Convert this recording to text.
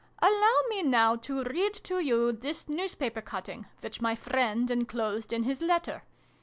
" Allow me now to read to you this newspaper cutting, which my friend enclosed in his letter.